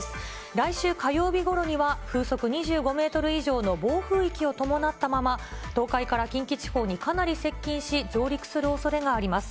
来週火曜日ごろには、風速２５メートル以上の暴風域を伴ったまま、東海から近畿地方にかなり接近し、上陸するおそれがあります。